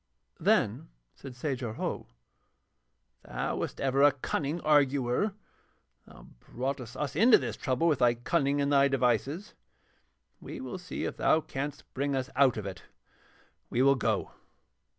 Then said Sajar Ho: 'Thou wast ever a cunning arguer. Thou broughtest us into this trouble with thy cunning and thy devices, we will see if thou canst bring us out of it. We will go.'